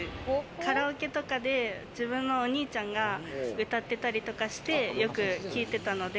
カラオケとかで自分のお兄ちゃんが歌ってたりとかして、よく聴いてたので。